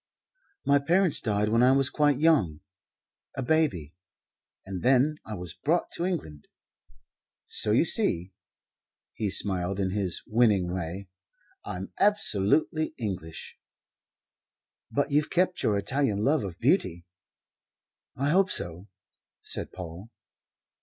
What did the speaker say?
"My parents died when I was quite young a baby and then I was brought to England. So you see" he smiled in his winning way "I'm absolutely English." "But you've kept your Italian love of beauty." "I hope so," said Paul.